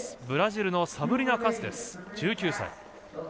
ブラジルのサブリナ・カス１９歳。